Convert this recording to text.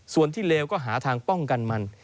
ส่วนที่เลวก็หาทางป้องกันมัน